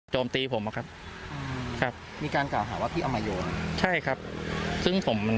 ตีผมอะครับครับมีการกล่าวหาว่าพี่เอามาโยนใช่ครับซึ่งผมมัน